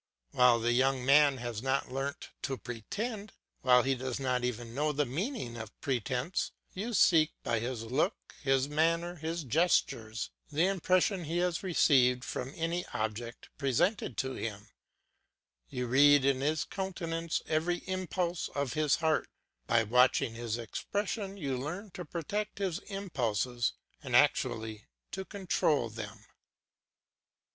While the young man has not learnt to pretend, while he does not even know the meaning of pretence, you see by his look, his manner, his gestures, the impression he has received from any object presented to him; you read in his countenance every impulse of his heart; by watching his expression you learn to protect his impulses and actually to control them.